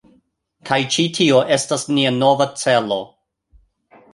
Kaj ĉi tio estas nia nova celo